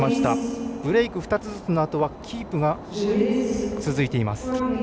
ブレーク２つずつのあとはキープが続いています。